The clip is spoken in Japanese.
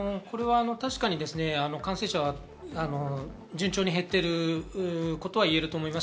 感染者は順調に減っていることは言えると思います。